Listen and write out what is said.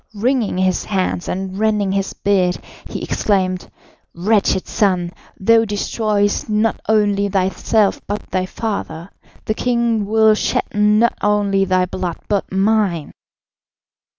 Wringing his hands and rending his beard, he exclaimed: "Wretched son! thou destroyest not only thyself but thy father. The king will shed not only thy blood but mine."